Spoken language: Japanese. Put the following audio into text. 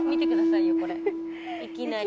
いきなり。